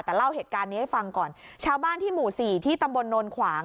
แต่เล่าเหตุการณ์นี้ให้ฟังก่อนชาวบ้านที่หมู่สี่ที่ตำบลโนนขวาง